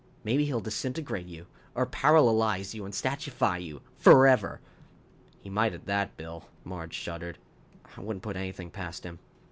Maybe he'll disintegrate you. Or paralalize you and statuefy you. Forever." "He might at that, Bill," Marge shuddered. "I wouldn't put anything past him."